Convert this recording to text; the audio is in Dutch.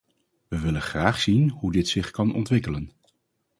We willen graag zien hoe dit zich kan ontwikkelen.